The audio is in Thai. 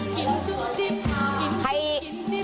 กินจุ๊บกินจุ๊บ